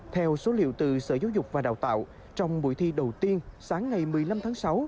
theo số liệu từ sở giáo dục và đào tạo trong buổi thi đầu tiên sáng ngày một mươi năm tháng sáu